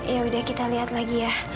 yaudah kita lihat lagi ya